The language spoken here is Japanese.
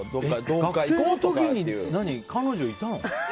学生の時に彼女いたの？